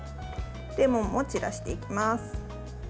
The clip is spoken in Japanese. レモンも散らしていきます。